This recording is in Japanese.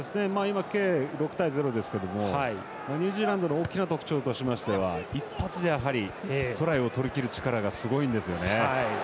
６対０ですがニュージーランドの大きな特徴としましては一発でトライを取りきる力がすごいんですよね。